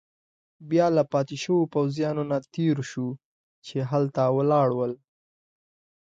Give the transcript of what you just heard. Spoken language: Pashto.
بیا له پاتې شوو پوځیانو نه تېر شوو، چې هملته ولاړ ول.